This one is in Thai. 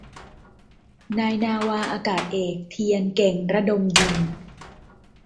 นายนาวาอากาศเอก เฑียร เก่งระดมยิง